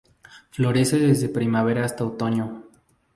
Florece desde primavera hasta otoño.